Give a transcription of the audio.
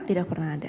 tidak pernah ada